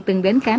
từng đến khám